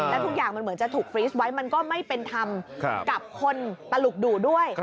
แล้วทุกอย่างมันเหมือนจะถูกฟรีสไว้มันก็ไม่เป็นธรรมกับคนตลุกดุด้วย